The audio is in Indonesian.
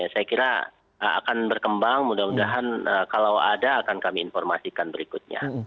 saya kira akan berkembang mudah mudahan kalau ada akan kami informasikan berikutnya